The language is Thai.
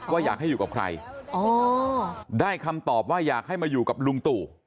ว่าอยากให้อยู่กับใครได้คำตอบว่าอยากให้มาอยู่กับลุงตู่